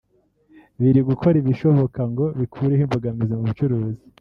biri gukora ibishoboka ngo bikureho imbogamizi mu bucuruzi